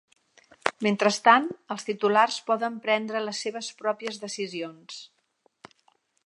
Mentrestant, els titulars poden prendre les seves pròpies decisions.